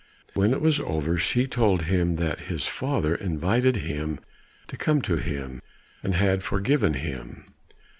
When it was over she told him that his father invited him to come to him, and had forgiven him.